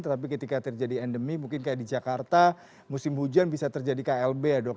tetapi ketika terjadi endemi mungkin kayak di jakarta musim hujan bisa terjadi klb ya dok